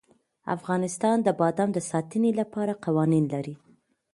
افغانستان د بادام د ساتنې لپاره قوانین لري.